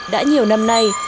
đã nhiều năm nay